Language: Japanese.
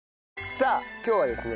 さあ今日はですね